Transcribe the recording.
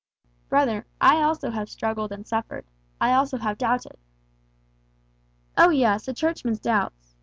"Brother, I also have struggled and suffered. I also have doubted." "Oh yes, a Churchman's doubts!